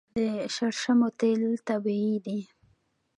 د شړشمو تیل طبیعي دي.